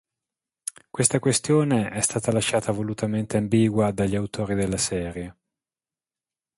Questa questione è stata lasciata volutamente ambigua dagli autori della serie.